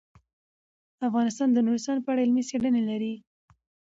افغانستان د نورستان په اړه علمي څېړنې لري.